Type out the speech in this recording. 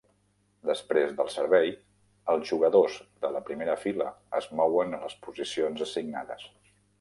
Després del servei, els jugadors de la primera fila es mouen a les posicions assignades.